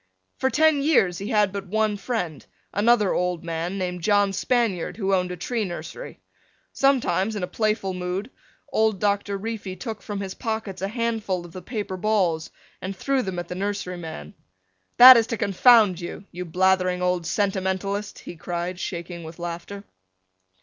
For ten years he had but one friend, another old man named John Spaniard who owned a tree nursery. Sometimes, in a playful mood, old Doctor Reefy took from his pockets a handful of the paper balls and threw them at the nursery man. "That is to confound you, you blathering old sentimentalist," he cried, shaking with laughter.